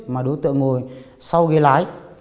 mà đối tượng ngồi sau ghế lái